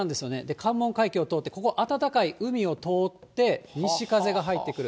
関門海峡通ってここ、暖かい海を通って、西風が入ってくる。